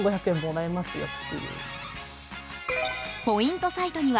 ポイント